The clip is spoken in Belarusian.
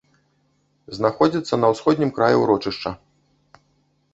Знаходзіцца на ўсходнім краі ўрочышча.